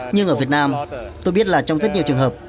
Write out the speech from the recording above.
nhưng ở việt nam tôi biết là trong rất nhiều trường hợp